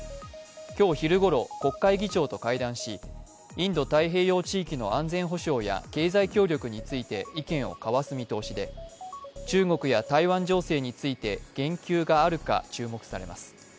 今日昼ごろ、国会議長と会談し、インド太平洋地域の安全保障や経済協力について意見を交わす見通しで、中国や台湾情勢について言及があるか注目されます。